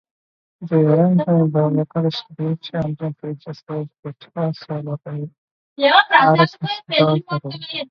The arrangement by vocalist Bill Champlin features a guitar solo by Aerosmith's Joe Perry.